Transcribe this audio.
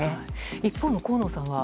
一方の河野さんは？